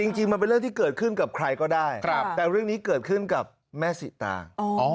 จริงมันเป็นเรื่องที่เกิดขึ้นกับใครก็ได้แต่เรื่องนี้เกิดขึ้นกับแม่สิตาง